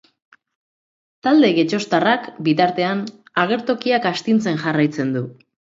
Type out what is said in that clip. Talde getxoztarrak, bitartean, agertokiak astintzen jarraitzen du.